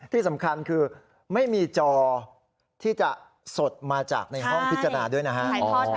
ที่สำคัญคือไม่มีจอที่จะสดมาจากในห้องพิจารณาด้วยนะฮะ